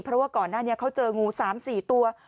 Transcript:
เพราะว่าก่อนหน้านี้เขาเจองู๓๔ตัว